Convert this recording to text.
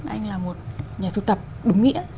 anh là một nhà siêu tập đúng nghĩa